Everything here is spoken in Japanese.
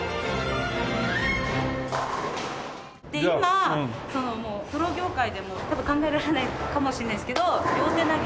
今プロ業界でも多分考えられないかもしれないんですけど両手投げ。